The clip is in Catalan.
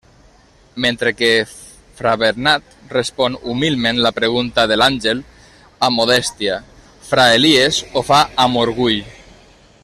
Mentre que fra Bernat respon «humilment» la pregunta de l'àngel, amb modèstia, fra Elies ho fa «amb orgull».